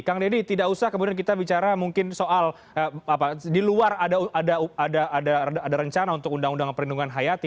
kang deddy tidak usah kemudian kita bicara mungkin soal di luar ada rencana untuk undang undang perlindungan hayati